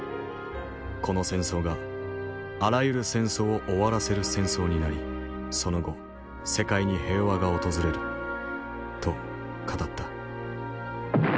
この戦争があらゆる戦争を終わらせる戦争になりその後世界に平和が訪れると語った。